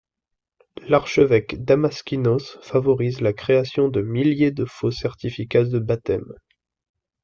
L'archevêque Damaskinos favorise la création de milliers de faux certificats de baptême.